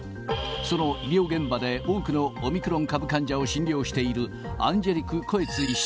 その医療現場で多くのオミクロン株患者を診療している、アンジェリク・コエツィ医師。